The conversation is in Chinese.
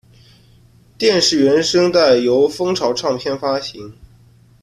电视原声带由风潮唱片发行。